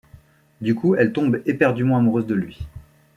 Du coup, elle tombe éperdument amoureuse de lui.